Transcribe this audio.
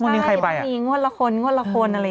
นี่มีงวดละคนอะไรอย่างนี้